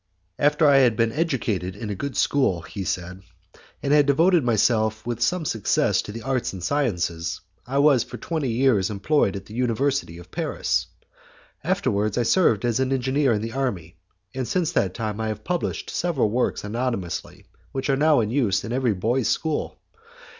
"After I had been educated in a good school," he said, "and had devoted myself with some success to the arts and sciences, I was for twenty years employed at the University of Paris. Afterwards I served as an engineer in the army, and since that time I have published several works anonymously, which are now in use in every boys' school.